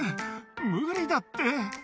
無理だって。